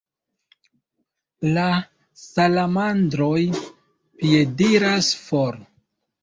La salamandroj piediras for.